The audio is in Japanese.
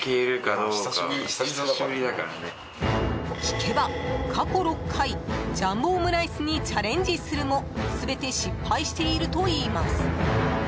聞けば、過去６回ジャンボオムライスにチャレンジするも全て失敗しているといいます。